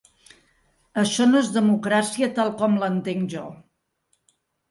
Això no és democràcia tal com l'entenc jo.